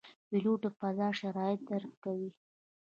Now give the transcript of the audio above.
پیلوټ د فضا شرایط درک کوي.